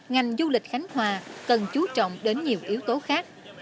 ngành du lịch khánh hòa cần chú trọng đến nhiều yếu tố khác